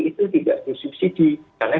itu tidak bisa subsidi karena